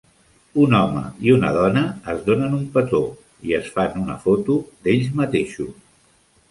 Un home i una dona es donen un petó i es fan una foto d'ells mateixos.